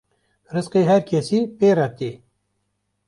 Rizqê her kesî pê re tê